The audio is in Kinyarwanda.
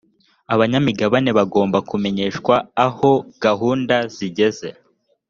abanyamigabane bagomba kumenyeshwa aho gahunda zigeze